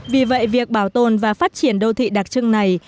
vì vậy việc bảo tồn và phát triển đô thị đặc trưng này